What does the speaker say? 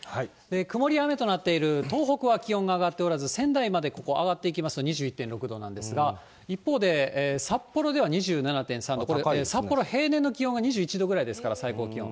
曇りや雨となっている東北は気温が上がっておらず、仙台までここ上がっていきますと、２１．６度なんですが、一方で、札幌では２７．３度、これ、札幌は平年の気温が２１度ぐらいですから、最高気温。